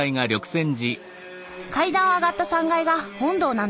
階段を上がった３階が本堂なんです。